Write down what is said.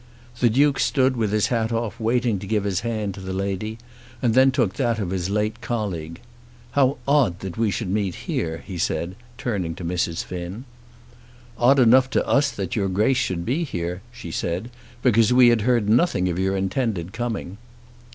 The Duke stood with his hat off waiting to give his hand to the lady, and then took that of his late colleague. "How odd that we should meet here," he said, turning to Mrs. Finn. "Odd enough to us that your Grace should be here," she said, "because we had heard nothing of your intended coming."